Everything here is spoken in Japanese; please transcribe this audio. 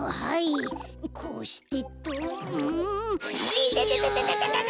いてててて！